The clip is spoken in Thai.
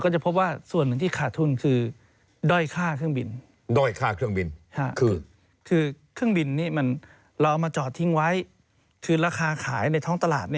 ทีนี้เราเอามาจอดทิ้งไว้คือราคาขายในท่องตลาด